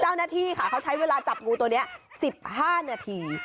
เจ้าหน้าที่ค่ะเขาใช้เวลาจับงูตัวนี้๑๕นาที